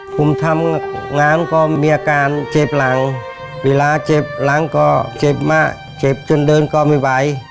ขายปัญหาแล้ว